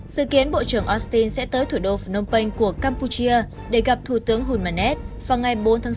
dự kiến bộ trưởng austin sẽ tới thủ đô phnom penh của campuchia để gặp thủ tướng hunmanet vào ngày bốn tháng sáu